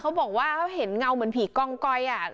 เขาบอกว่าเขาเห็นเงาเหมือนผีกองก้อยอ่ะ